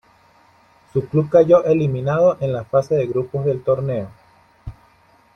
Su club cayó eliminado en la Fase de Grupos del torneo.